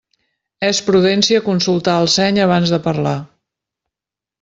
És prudència consultar el seny abans de parlar.